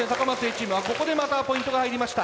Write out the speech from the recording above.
あここでまたポイントが入りました。